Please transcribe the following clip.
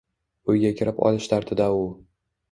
Uyga kirib olish dardida u